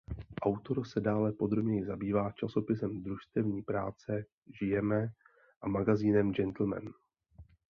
Autor se dále podrobněji zabývá časopisem Družstevní práce "Žijeme" a magazínem "Gentleman".